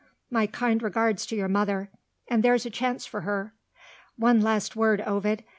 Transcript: My kind regards to your mother and there's a chance for her. One last word, Ovid.